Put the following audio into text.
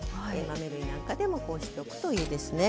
豆類なんかでもこうしとくといいですね。